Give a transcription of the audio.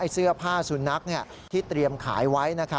เสื้อผ้าสุนัขที่เตรียมขายไว้